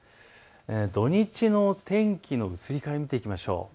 土日の天気の移り変わりを見ていきましょう。